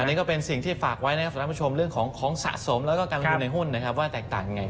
นี่ก็เป็นสิ่งที่ฝากไว้นะครับสำหรับผู้ชมเรื่องของสะสมและการลงทุเรื่องในหุ้นว่าแตกต่างยังไง